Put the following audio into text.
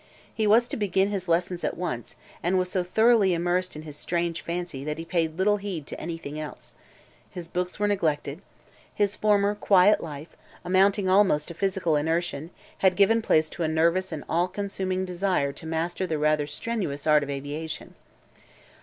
He was to begin his lessons at once and was so thoroughly immersed in his strange fancy that he paid little heed to anything else. His books were neglected. His former quiet life amounting almost to physical inertion had given place to a nervous and all consuming desire to master the rather strenuous art of aviation.